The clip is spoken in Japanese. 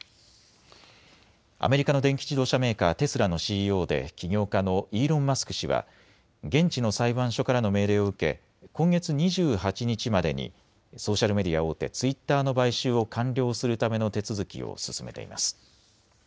アメリカの電気自動車メーカー、テスラのＣＥＯで起業家のイーロン・マスク氏は現地の裁判所からの命令を受け今月２８日までにソーシャルメディア大手ツイッターの買収を完了するための手続きを進めています。